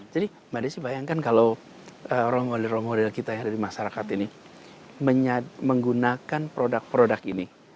jadi mbak desi bayangkan kalau role model role model kita yang ada di masyarakat ini menggunakan produk produk ini